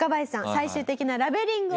最終的なラベリングを。